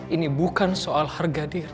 ini bukan soal harga diri